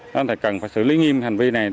nó cần phải xử lý nghiêm hành vi này